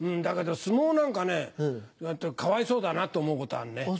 だけど相撲なんかねかわいそうだなと思うことあるね。